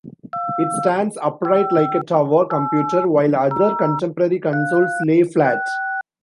It stands upright like a tower computer while other contemporary consoles lay flat.